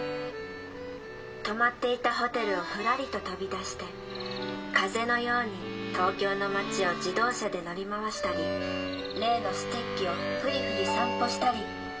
泊まっていたホテルをふらりと飛び出して風のように東京の町を自動車で乗り回したり例のステッキを振り振り散歩したり」。